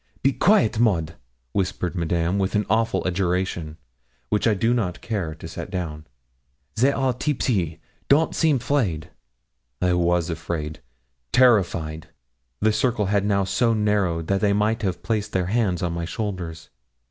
'Be quaite, Maud,' whispered Madame, with an awful adjuration, which I do not care to set down. 'They are teepsy; don't seem 'fraid.' I was afraid terrified. The circle had now so narrowed that they might have placed their hands on my shoulders.